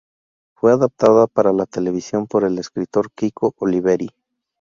Fue adaptada para la televisión por el escritor Kiko Oliveri.